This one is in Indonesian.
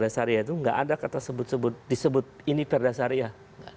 sariah itu tidak ada kata disebut ini perda syariah